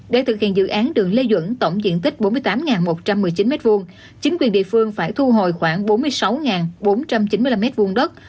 để thực hiện dự án đường lê duẩn tổng diện tích bốn mươi tám một trăm một mươi chín m hai chính quyền địa phương phải thu hồi khoảng bốn mươi sáu bốn trăm chín mươi năm m hai đất